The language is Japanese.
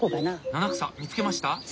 七草見つけました？